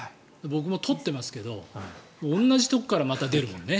僕も取ってますけど同じところから出るもんね。